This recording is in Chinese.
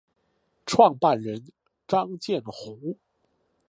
创办人张建宏。